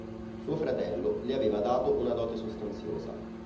Suo fratello le aveva dato una dote sostanziosa.